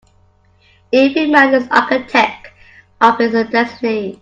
Every man is the architect of his destiny.